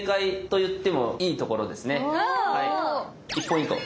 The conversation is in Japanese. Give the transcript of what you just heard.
１ポイント。